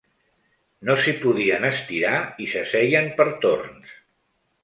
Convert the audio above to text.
No s’hi podien estirar i s’asseien per torns.